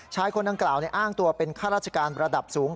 ชายคนนั้นกล่าวเนี่ยอ้างตัวเป็นค่าราชการระดับสูง